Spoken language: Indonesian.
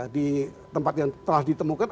di tempat yang telah ditemukan